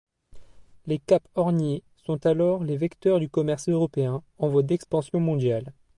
Les cap horniers sont alors les vecteurs du commerce européen en voie d'expansion mondiale.